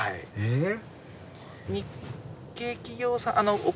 えっ！？